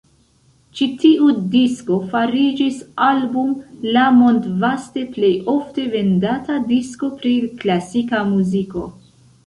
Ĉi tiu disko fariĝis Album la mondvaste plejofte vendata disko pri klasika muziko.